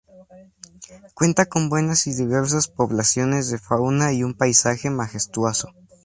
Cuenta con buenas y diversas poblaciones de fauna y un paisaje majestuoso.